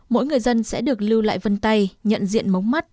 mỗi người dân sẽ được lưu lại vân tay nhận diện mống mắt